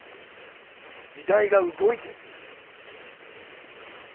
時代が動いてるんです。